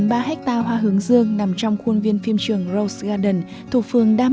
và ngay sau đây xin mời quý vị cùng chiêm ngưỡng về đẹp của loài hoa hứng dương này nhé